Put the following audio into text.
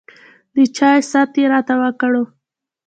د چاے ست يې راته وکړو